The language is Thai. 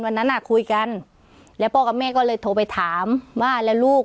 วันนั้นอ่ะคุยกันแล้วพ่อกับแม่ก็เลยโทรไปถามว่าแล้วลูก